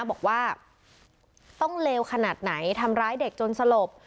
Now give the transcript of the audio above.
บอกว่าต้องเลวขนาดไหนทำร้ายเด็กจนสลบ